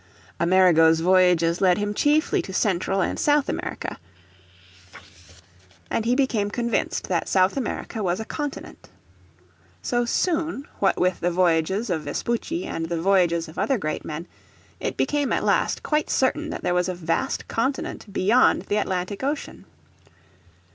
Amerigo's voyages led him chiefly to Central and South America and he became convinced that South America was a continent. So soon, what with the voyages of Vespucci and the voyages of other great men, it became at last quite certain that there was a vast continent beyond the Atlantic ocean.